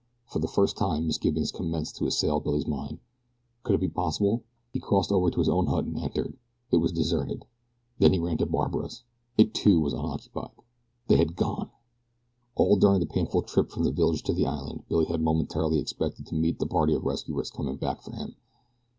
For the first time misgivings commenced to assail Billy's mind. Could it be possible? He crossed over to his own hut and entered it was deserted. Then he ran to Barbara's it, too, was unoccupied. They had gone! All during the painful trip from the village to the island Billy had momentarily expected to meet a party of rescuers coming back for him.